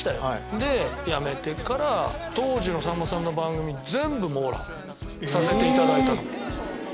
でやめてから当時のさんまさんの番組全部網羅させていただいたの。